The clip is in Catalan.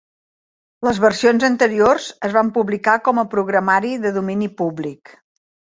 Les versions anteriors es van publicar com a programari de domini públic.